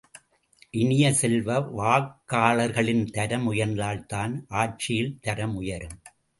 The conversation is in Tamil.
இனிய செல்வ, வாக்காளர்களின் தரம் உயர்ந்தால் தான் ஆட்சியின் தரம் உயரும்.